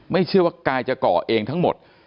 เชื่อว่ากายจะก่อเองทั้งหมด